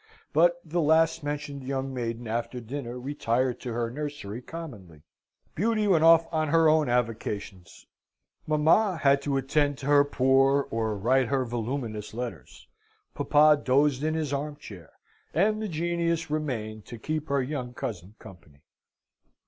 But the last mentioned young maiden after dinner retired to her nursery commonly. Beauty went off on her own avocations; mamma had to attend to her poor or write her voluminous letters; papa dozed in his arm chair; and the Genius remained to keep her young cousin company.